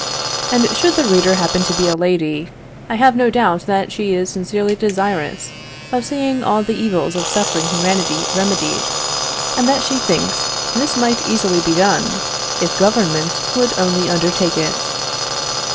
And should the reader happen to be a lady, I have no doubt that she is sincerely desirous of seeing all the evils of suffering humanity remedied, and that she thinks this might easily be done, if Government would only undertake it.